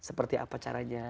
seperti apa caranya